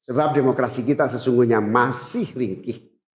sebab demokrasi kita sesungguhnya masih ringkih